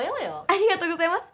ありがとうございます。